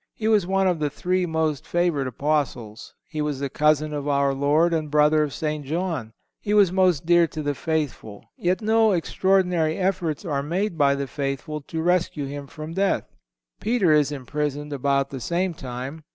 He was one of the three most favored Apostles. He was the cousin of our Lord and brother of St. John. He was most dear to the faithful. Yet no extraordinary efforts are made by the faithful to rescue him from death. Peter is imprisoned about the same time.